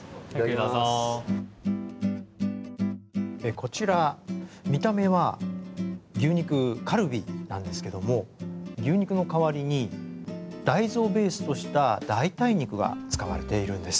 こちら、見た目は牛肉カルビなんですけども牛肉の代わりに大豆をベースとした代替肉が使われているんです。